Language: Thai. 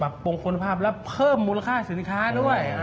ปรับปรุงคุณภาพและเพิ่มมูลค่าสินค้าด้วย